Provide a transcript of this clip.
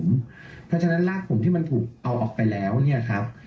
เพราะฉะนั้นรากผมที่มันถูกเอาออกไปแล้วเนี่ยครับ